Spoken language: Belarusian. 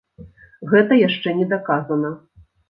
Гэта яшчэ не даказана.